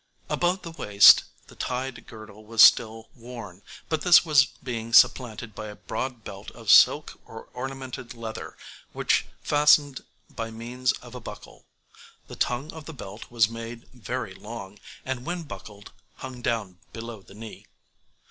Above the waist the tied girdle was still worn, but this was being supplanted by a broad belt of silk or ornamented leather, which fastened by means of a buckle. The tongue of the belt was made very long, and when buckled hung down below the knee.